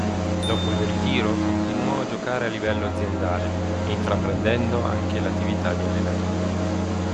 Dopo il ritiro continuò a giocare a livello aziendale, intraprendendo anche l'attività di allenatore.